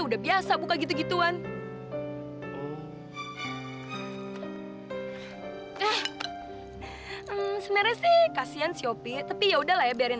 udah biasa buka gitu gituan ah eh sebenarnya sih kasihan siopi tapi yaudah lah ya biarin